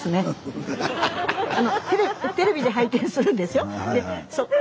テレビで拝見するんですよ。